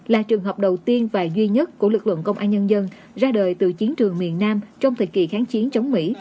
là trường hợp đầu tiên và duy nhất của lực lượng công an nhân dân ra đời từ chiến trường miền nam trong thời kỳ kháng chiến chống mỹ